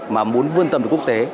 mà muốn vươn tầm được quốc tế